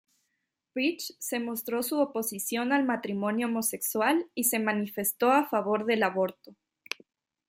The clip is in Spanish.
Ridge mostró su oposición al matrimonio homosexual, y se manifestó a favor del aborto.